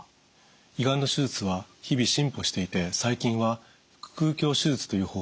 胃がんの手術は日々進歩していて最近は腹腔鏡手術という方法があります。